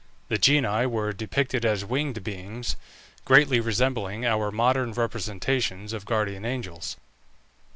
The genii were depicted as winged beings, greatly resembling our modern representations of guardian angels.